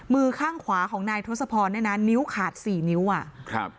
มือข้างขวาของนายทศพรเนี่ยนะนิ้วขาดสี่นิ้วอ่ะครับ